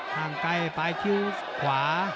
ห่างไกลปลายคิ้วขวา